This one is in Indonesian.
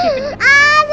dikit lagi dikit lagi